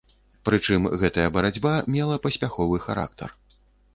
Прычым, гэтая барацьба мела паспяховы характар.